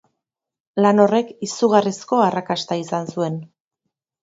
Lan horrek izugarrizko arrakasta izan zuen.